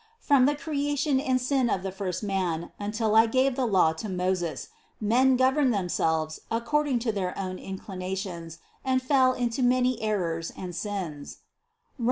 From the creation and sin of the first man until I gave the law to Moses, men governed themselves according to their own inclinations and fell into many errors and sins (Rom.